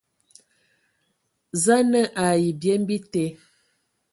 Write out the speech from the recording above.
Za a nǝ ai byem bite,